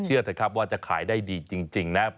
เชื่อเถอะครับว่าจะขายได้ดีจริงนะ